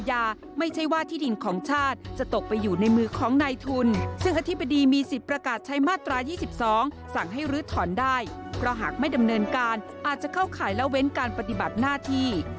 อาจจะเข้าข่ายแล้วเว้นการปฏิบัติหน้าที่